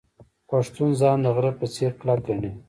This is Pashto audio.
پښتون ځان د غره په څیر کلک ګڼي.